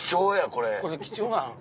これ貴重なん。